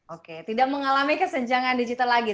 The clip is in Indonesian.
oke tidak mengalami kesenjangan digital lagi